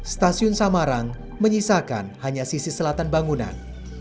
stasiun samarang menyisakan hanya sisi selatan bangunan